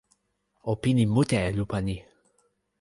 o pini mute e lupa ni.